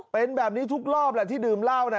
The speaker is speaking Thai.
เป็นแบบนี้ทุกรอบแหละที่ดื่มเหล้านะ